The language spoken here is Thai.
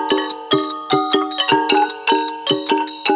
มันไงมันไง